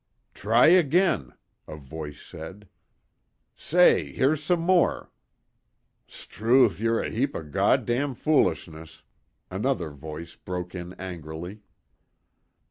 "Try again," a voice said. "Say, here's some more. 'Struth you're a heap of G d foolishness." Another voice broke in angrily.